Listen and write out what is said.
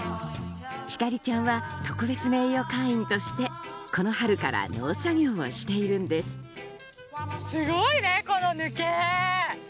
星ちゃんは特別名誉会員としてこの春から農作業をしているんですすごいねこの抜け！